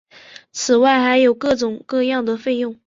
此外还有各种各样的费用。